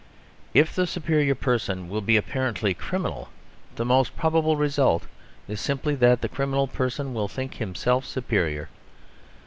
If the superior person will be apparently criminal, the most probable result is simply that the criminal person will think himself superior.